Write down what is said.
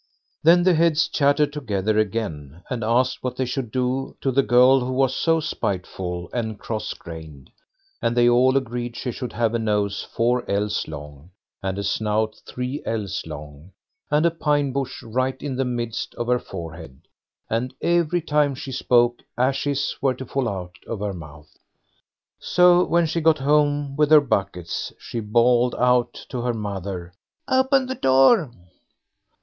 Then the heads chattered together again, and asked what they should do to the girl who was so spiteful and cross grained; and they all agreed she should have a nose four ells long, and a snout three ells long, and a pine bush right in the midst of her forehead, and every time she spoke, ashes were to fall out of her mouth. So when she got home with her buckets, she bawled out to her mother: "Open the door."